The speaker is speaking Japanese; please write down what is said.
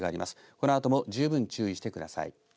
このあとも十分注意してください。